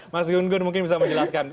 mas gun gun mungkin bisa menjelaskan